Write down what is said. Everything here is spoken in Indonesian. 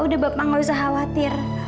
udah bapak gak usah khawatir